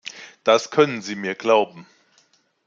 Das können Sie mir glauben.